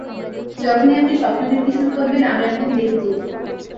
যখনই আপনি স্বপ্ন দেখতে শুরু করবেন, আমি আপনাকে ডেকে তুলব।